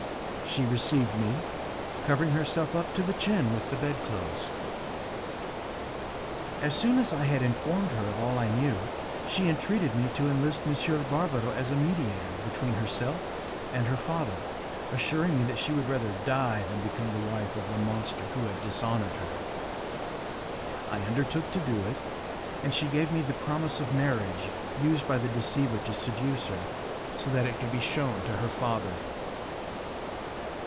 She received me, covering herself up to the chin with the bed clothes. As soon as I had informed her of all I knew, she entreated me to enlist M. Barbaro as a mediator between herself and her father, assuring me that she would rather die than become the wife of the monster who had dishonoured her. I undertook to do it, and she gave me the promise of marriage used by the deceiver to seduce her, so that it could be shewn to her father.